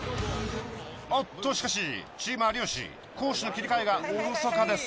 おっとしかしチーム有吉攻守の切り替えがおろそかです。